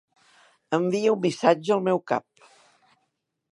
Envia un missatge al meu cap.